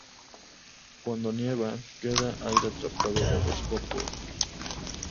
Cuando nieva queda aire atrapado en los copos.